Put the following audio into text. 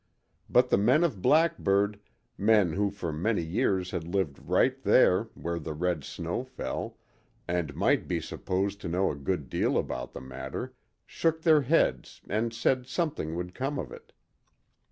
But the men of Blackburg—men who for many years had lived right there where the red snow fell, and might be supposed to know a good deal about the matter—shook their heads and said something would come of it.